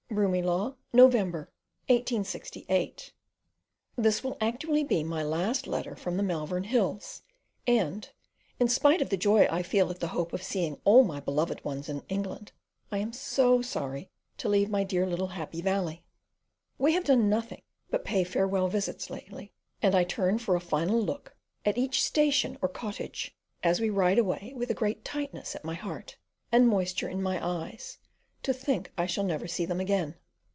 Broomielaw, November 1868. This will actually be my last letter from the Malvern Hills; and, in spite of the joy I feel at the hope of seeing all my beloved ones in England, I am so sorry to leave my dear little happy valley. We have done nothing but pay farewell visits lately; and I turn for a final look at each station or cottage as we ride away with a great tightness at my heart, and moisture in my eyes, to think I shall never see them again.